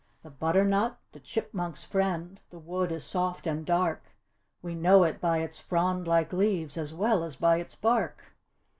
The butternut, the chip munks' friend, the wood is soft and dark; We know it by its frond like leaves as well as by its bark.